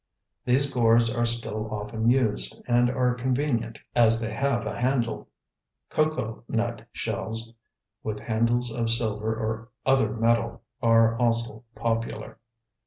These gourds are still often used, and are convenient, as they have a handle. Cocoa nut shells, with handles of silver or other metal, are also popular.